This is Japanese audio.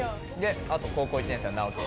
あと高校１年生の直樹です。